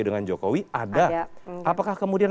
dengan jokowi ada apakah kemudian